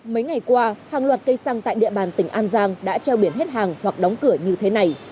mấy ngày qua hàng loạt cây xăng tại địa bàn tỉnh an giang đã treo biển hết hàng hoặc đóng cửa như thế này